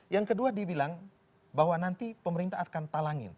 yang kedua dibilang bahwa nanti pemerintah akan talangin